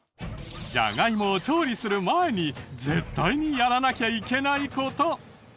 ジャガイモを調理する前に絶対にやらなきゃいけない事。